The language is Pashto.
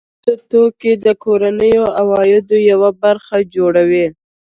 د لبنیاتو توکي د کورنیو عوایدو یوه برخه جوړوي.